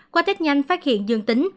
qua test nhanh phát hiện dương tính